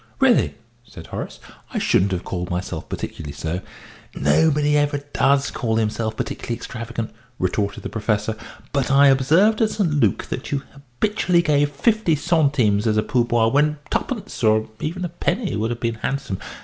"Really," said Horace, "I shouldn't have called myself particularly so." "Nobody ever does call himself particularly extravagant," retorted the Professor; "but I observed at St. Luc that you habitually gave fifty centimes as a pourboire when twopence, or even a penny, would have been handsome.